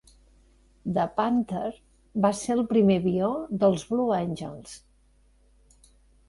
The Panter va ser el primer avió dels Blue Angels.